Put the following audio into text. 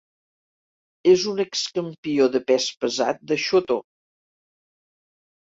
És un excampió de pes pesat de Shooto.